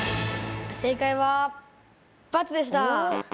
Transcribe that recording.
正解はバツでした。